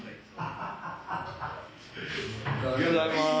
おはようございます。